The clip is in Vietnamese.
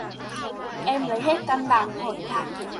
Em lấy hết can đảm hỏi lại